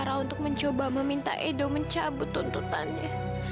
sampai jumpa di video selanjutnya